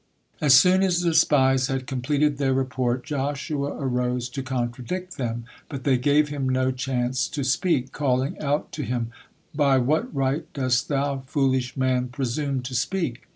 As soon as the spies had completed their report, Joshua arose to contradict them, but they gave him no chance to speak, calling out to him: "By what right dost thou, foolish man, presume to speak?